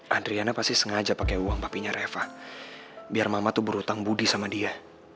adriana pasti sengaja pakai uang papinya reva biar mama tuh berhutang budi sama dia